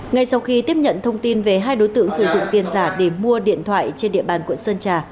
ngay sau khi tiếp nhận thông tin về hai đối tượng sử dụng tiền giả để mua điện thoại trên địa bàn quận sơn trà